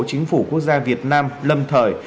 chính phủ quốc gia việt nam lâm thời